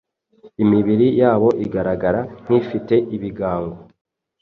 imibiri yabo igaragara nk’ifite ibigango